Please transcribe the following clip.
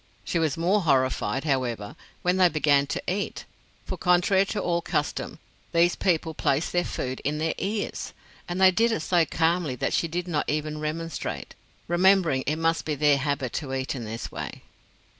She was more horrified, however, when they began to eat; for, contrary to all custom, these people placed their food in their ears. And they did it so calmly that she did not even remonstrate, remembering it must be their habit to eat in this way.